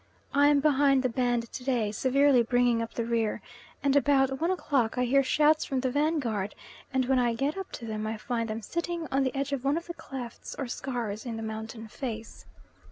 I am behind the band to day, severely bringing up the rear, and about 1 o'clock I hear shouts from the vanguard and when I get up to them I find them sitting on the edge of one of the clefts or scars in the mountain face.